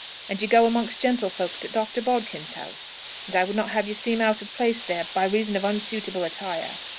And you go amongst gentlefolks at Dr. Bodkin's house. And I would not have you seem out of place there, by reason of unsuitable attire."